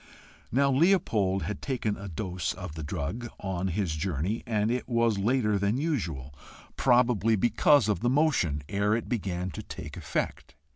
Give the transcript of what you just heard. Now Leopold had taken a dose of the drug on his journey, and it was later than usual, probably because of the motion, ere it began to take effect.